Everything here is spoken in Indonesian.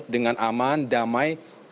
dengan aman damai